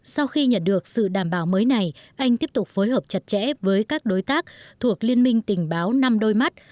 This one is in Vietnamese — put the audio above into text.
sau khi nhận được sự đảm bảo mới này anh tiếp tục phối hợp chặt chẽ với các đối tác thuộc liên minh tình báo năm đôi mắt